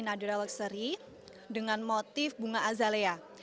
nadira luxury dengan motif bunga azalea